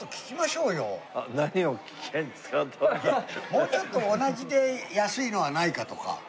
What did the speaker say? もうちょっと同じで安いのはないかとか。